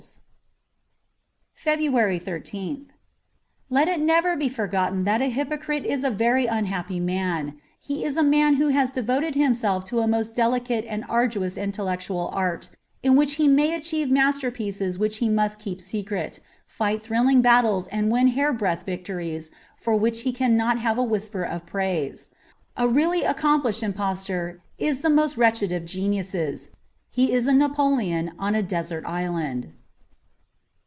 4« FEBRUARY 13th LET it never be forgotten that a hypocrite is a very unhappy man ; he is a man who has devoted himself to a most delicate and arduous intellectual art in which he may achieve masterpieces which he must keep secret, fight thrilling battles and win hair breadth victories for which he cannot have a whisper of praise. A really accomplished impostor is the most wretched of geniuses : he is a Napoleon on a desert island.